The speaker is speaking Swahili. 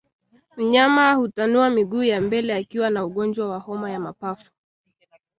Mnyama hutanua miguu ya mbele akiwa na ugonjwa wa homa ya mapafu